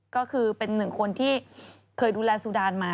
ก็คือเป็นหนึ่งคนที่เคยดูแลซูดานมา